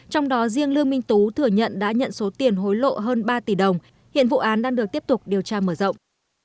trong đó riêng lương minh tú thừa nhận đã nhận số tiền hối lộ hơn ba tỷ đồng hiện vụ án đang được tiếp tục điều tra mở rộng